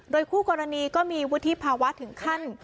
โดยคู่กรณีก็มีวิธีภาวะถึงขั้น